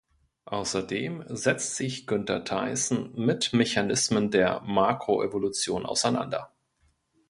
Außerdem setzt sich Günter Theißen mit Mechanismen der Makroevolution auseinander.